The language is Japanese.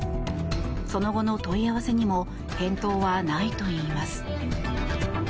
その後の問い合わせにも返答はないといいます。